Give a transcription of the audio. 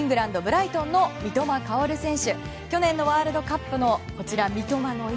ブライトンの三笘薫選手。